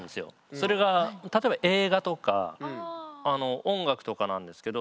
それが例えば映画とか音楽とかなんですけど。